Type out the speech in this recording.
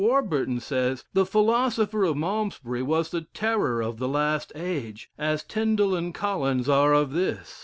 Warburton says, "The philosopher of Malmesbury was the terror of the last age, as Tin dal and Collins are of this.